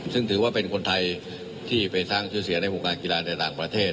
ซึ่งถือว่าเป็นคนไทยที่ไปสร้างชื่อเสียงในวงการกีฬาในต่างประเทศ